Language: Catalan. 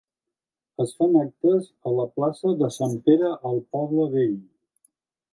Es fan actes a la plaça de Sant Pere al poble vell.